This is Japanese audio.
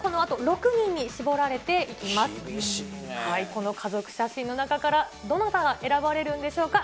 この家族写真の中から、どなたが選ばれるんでしょうか。